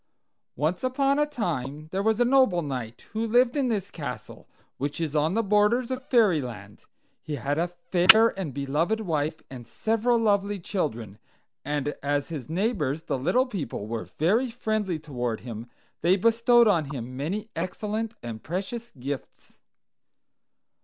"Once upon a time there was a noble knight, who lived in this castle, which is on the borders of Fairyland. He had a fair and beloved wife and several lovely children; and as his neighbors, the little people, were very friendly toward him, they bestowed on him many excellent and precious gifts.